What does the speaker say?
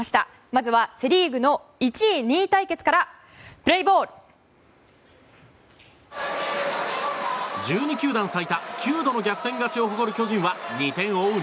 まずセ・リーグの１位２位対決からプレーボール！１２球団最多９度の逆転勝ちを誇る巨人は２点を追う